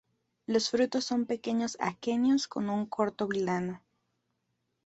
Los frutos son pequeños aquenios con un corto vilano.